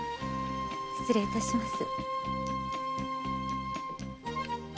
失礼いたします。